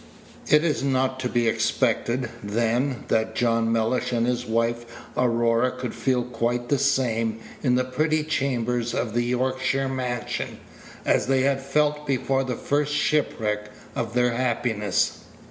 It is not to be expected, then, that John Mellish and his wife Aurora could feel quite the same in the pretty chambers of the Yorkshire mansion as they had felt before the first shipwreck of their happiness.